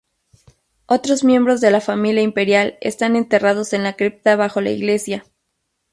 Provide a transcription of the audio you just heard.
Otros miembros de la familia imperial están enterrados en la cripta bajo la iglesia.